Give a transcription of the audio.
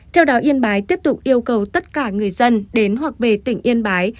theo đó yên bái tiếp tục yêu cầu tất cả người dân đến hoặc về tỉnh yên bái